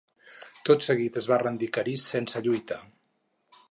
Tot seguit es va rendir Carist sense lluita.